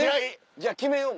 じゃあ決めよう